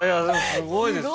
すごいです。